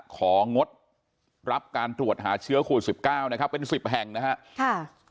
ของงดรับการตรวจหาเชื้อขู่๑๙เป็น๑๐แห่งนะครับ